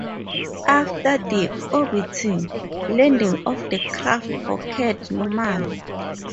After de-orbiting, landing of the craft occurred normally.